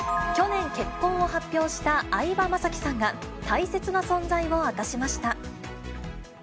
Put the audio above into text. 去年結婚を発表した相葉雅紀さんが、大切な存在を明かしました。